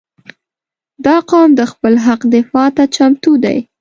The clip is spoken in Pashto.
• دا قوم د خپل حق دفاع ته چمتو دی.